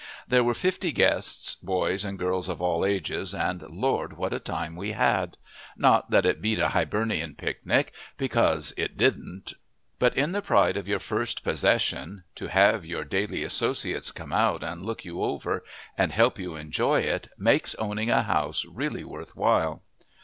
There were fifty guests, boys and girls of all ages, and, Lord, what a time we had! Not that it beat a Hibernian picnic, because it didn't; but in the pride of your first possession, to have your daily associates come out and look you over and help you enjoy it makes owning a house really worth while.